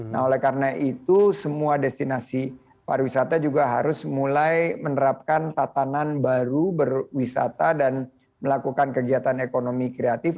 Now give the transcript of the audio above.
nah oleh karena itu semua destinasi pariwisata juga harus mulai menerapkan tatanan baru berwisata dan melakukan kegiatan ekonomi kreatif